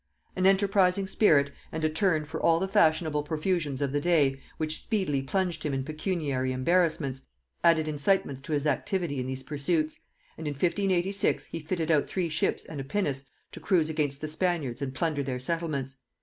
An enterprising spirit and a turn for all the fashionable profusions of the day, which speedily plunged him in pecuniary embarrassments, added incitements to his activity in these pursuits; and in 1586 he fitted out three ships and a pinnace to cruise against the Spaniards and plunder their settlements.